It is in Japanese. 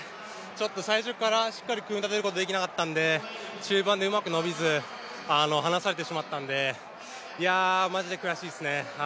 最初からしっかり組み立てることができなかったので、中盤でうまく伸びず、離されてしまったので、マジで悔しいですね。